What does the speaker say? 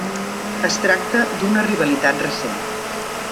Es tracta d'una rivalitat recent.